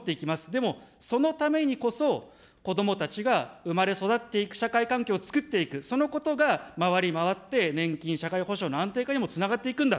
でも、そのためにこそ、子どもたちが、生まれ育っていく社会環境をつくっていく、そのことが、回り回って、年金、社会保障の安定化にもつながっていくんだ。